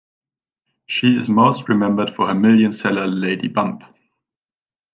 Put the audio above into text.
She is most remembered for her million seller "Lady Bump".